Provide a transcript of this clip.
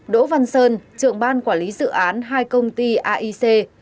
bốn đỗ văn sơn trưởng ban quản lý dự án hai công ty aic